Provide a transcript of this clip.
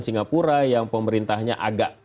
singapura yang pemerintahnya agak